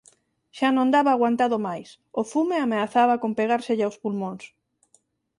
Xa non daba aguantado máis, o fume ameazaba con pegárselle aos pulmóns.